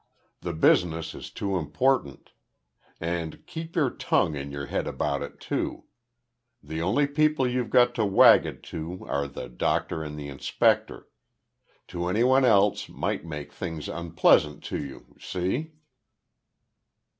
The business is too important. And keep your tongue in your head about it, too. The only people you've got to wag it to are the doctor and the inspector. To any one else might make things unpleasant to you. See?"